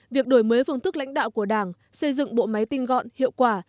việc đổi mới phương thức lãnh đạo của đảng xây dựng bộ máy tinh gọn hiệu quả